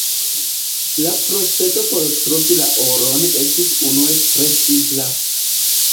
La procedo por trovi la oron estis unue tre simpla.